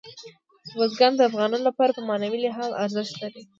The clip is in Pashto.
بزګان د افغانانو لپاره په معنوي لحاظ ارزښت لري.